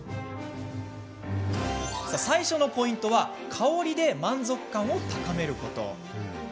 最初のポイントは香りで満足感を高めること。